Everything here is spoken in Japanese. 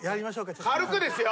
軽くですよ。